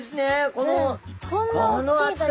このこの厚さ！